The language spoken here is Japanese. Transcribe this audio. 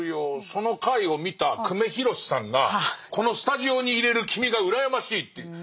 その回を見た久米宏さんがこのスタジオにいれる君が羨ましいっていう。